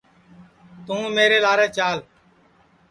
توں میرے لارے چال